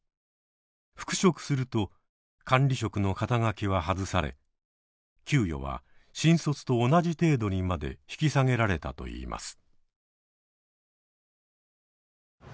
復職すると管理職の肩書は外され給与は新卒と同じ程度にまで引き下げられたといいます。